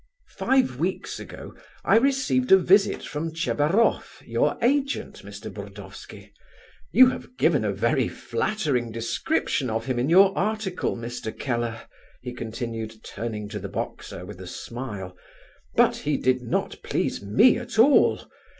Five weeks ago I received a visit from Tchebaroff, your agent, Mr. Burdovsky. You have given a very flattering description of him in your article, Mr. Keller," he continued, turning to the boxer with a smile, "but he did not please me at all.